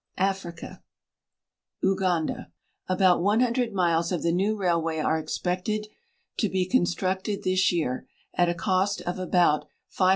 AFRICA Uganda. About 100 miles of the new railway are expected to he con structed this year, at a cost of about £520,000.